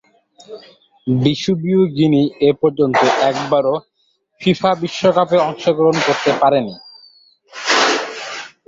বিষুবীয় Guinea এপর্যন্ত একবারও FIFA বিশ্বকাপে অংশগ্রহণ করতে পারেনি।